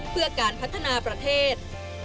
เพื่อการพัฒนาประเทศ